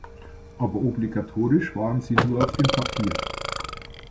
Aber obligatorisch waren sie nur auf dem Papier.